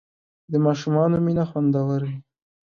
د ماشومانو مینه خوندور وي.